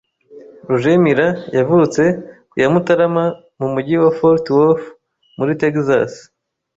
Roger Miller yavutse ku ya Mutarama mu mujyi wa Fort Worth, muri Texas.